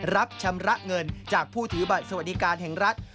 รับชำระเงินจากผู้ถือบัตรสวัสดิการแห่งรัฐ